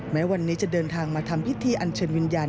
แม้วันนี้จะเดินทางมาทำพิธีอันเชิญวิญญาณ